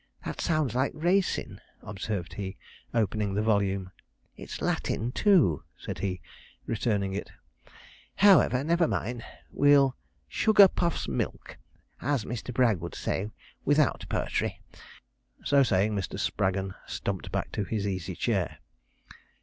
'That sounds like racin',' observed he, opening the volume, 'it's Latin too,' said he, returning it. 'However, never mind, we'll "sugar Puff's milk," as Mr. Bragg would say, without po'try.' So saying, Mr. Spraggon stumped back to his easy chair.